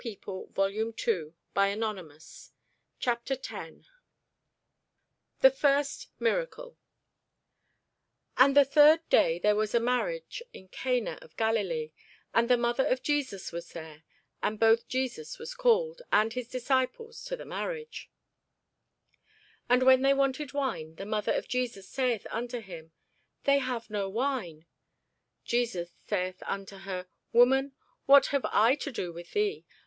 [Sidenote: St. John 1] CHAPTER 10 THE FIRST MIRACLE [Sidenote: St. John 2] AND the third day there was a marriage in Cana of Galilee; and the mother of Jesus was there: and both Jesus was called, and his disciples, to the marriage. And when they wanted wine, the mother of Jesus saith unto him, They have no wine. Jesus saith unto her, Woman, what have I to do with thee?